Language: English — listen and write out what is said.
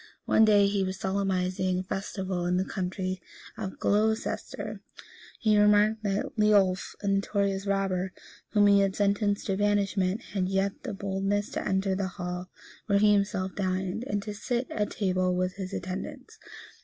One day, as he was solemnizing a festival in the county of Glocester, he remarked that Leolf, a notorious robber, whom he had sentenced to banishment, had yet the boldness to enter the hall where he himself dined, and to sit at table with his attendants.